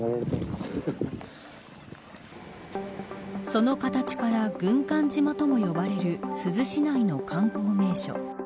その形から軍艦島とも呼ばれる珠洲市内の観光名所。